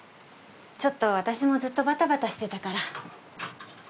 ちょっと私もずっとバタバタしてたから。